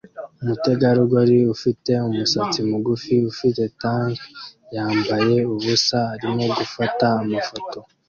Umutegarugori ufite umusatsi mugufi ufite tank yambaye ubusa arimo gufata amafoto